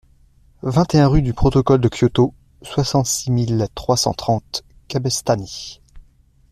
vingt et un rue du Protocole de Kyoto, soixante-six mille trois cent trente Cabestany